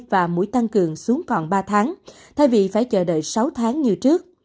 và mũi tăng cường xuống còn ba tháng thay vì phải chờ đợi sáu tháng như trước